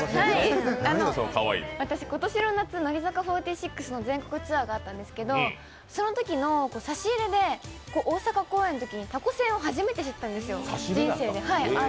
私、今年の夏、乃木坂４６の全国ツアーがあったんですけど、そのときの差し入れで大阪公演のときにたこせんを初めて知ったんですよ、人生で。